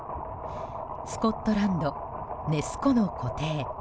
スコットランド・ネス湖の湖底。